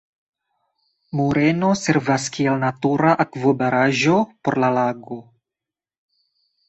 Moreno servas kiel natura akvobaraĵo por la lago.